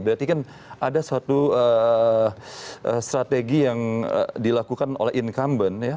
berarti kan ada suatu strategi yang dilakukan oleh incumbent ya